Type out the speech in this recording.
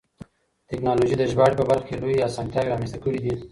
تکنالوژي د ژباړې په برخه کې لویې اسانتیاوې رامنځته کړې دي.